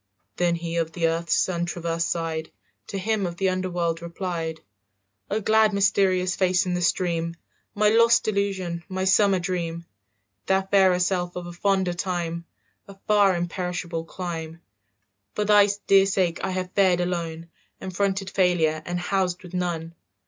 Then he of the earth's sun traversed side To him of the under world replied, "O glad mysterious face in the stream, My lost illusion, my summer dream, "Thou fairer self of a fonder time, A far imperishable clime, "For thy dear sake I have fared alone And fronted failure and housed with none.